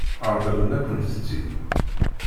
Ṛeḍlen-akent-t-id?